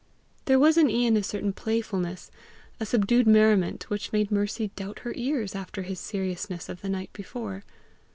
There was in Ian a certain playfulness, a subdued merriment, which made Mercy doubt her ears after his seriousness of the night before.